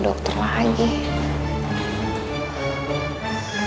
aduh kepala aku kok pusing banget ya